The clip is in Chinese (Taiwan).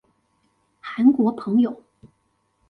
韓國朋友